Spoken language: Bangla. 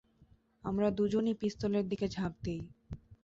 আমরা দুজনই পিস্তলের দিকে ঝাঁপ দেই।